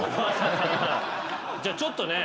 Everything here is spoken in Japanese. じゃあちょっとね。